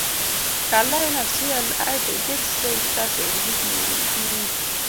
kal lain achiel ae to iket sei kasto indik nyingi